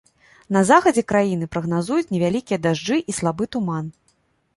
На захадзе краіны прагназуюць невялікія дажджы і слабы туман.